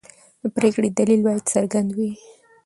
د پرېکړې دلیل باید څرګند وي.